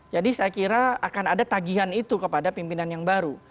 jadi saya kira akan ada tagihan itu kepada pimpinan yang baru